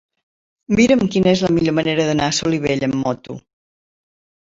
Mira'm quina és la millor manera d'anar a Solivella amb moto.